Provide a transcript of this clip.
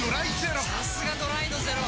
さすがドライのゼロ！